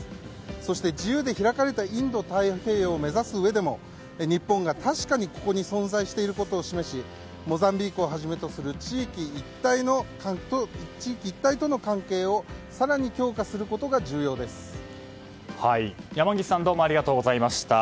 そして自由で開かれたインド太平洋を目指すうえでも日本が確かにここに存在してることを示しモザンビークをはじめとする地域一帯との関係を山岸さんどうもありがとうございました。